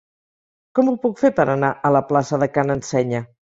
Com ho puc fer per anar a la plaça de Ca n'Ensenya?